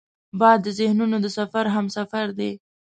باد د ذهنونو د سفر همسفر دی